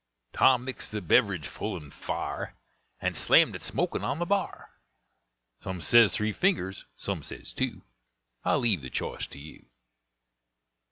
Tom mixed the beverage full and fa'r, And slammed it, smoking, on the bar. Some says three fingers, some says two, I'll leave the choice to you.